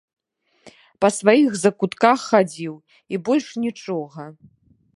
Па сваіх закутках хадзіў, і больш нічога.